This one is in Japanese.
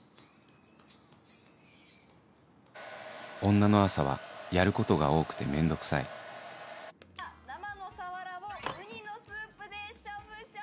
女の朝はやることが多くて面倒くさい生のサワラをウニのスープでしゃぶしゃぶ！